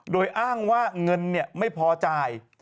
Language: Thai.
โดยอ้างว่าเงินไม่พอจ่าย